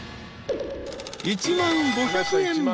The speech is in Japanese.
［１万５００円］